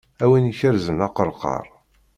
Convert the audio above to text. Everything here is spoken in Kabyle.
Am win ikerrzen aqerqaṛ.